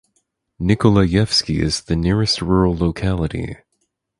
Nikolayevsky is the nearest rural locality.